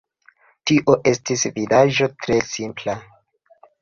Tio estis vidaĵo tre simpla.